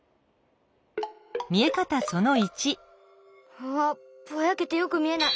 うわぼやけてよくみえない。